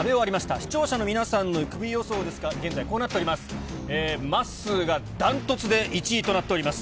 視聴者の皆さんのクビ予想ですが、現在、こうなっております。